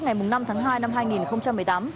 ngày năm tháng hai năm hai nghìn một mươi tám